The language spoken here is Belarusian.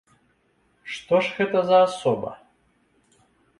Што ж гэта за асоба?